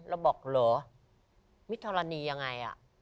แล้วบอกเหรอมิทรณียังไงอะ